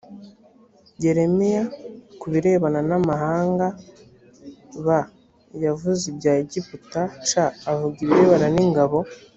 yeremiya ku birebana n amahanga b yavuze ibya egiputa c avuga ibirebana n ingabo